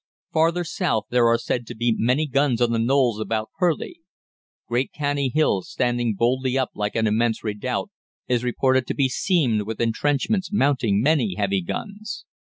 Farther south there are said to be many guns on the knolls about Purleigh. Great Canney Hill, standing boldly up like an immense redoubt, is reported to be seamed with entrenchments mounting many heavy guns.